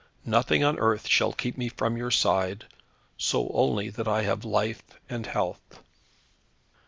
Nothing on earth shall keep me from your side, so only that I have life and health."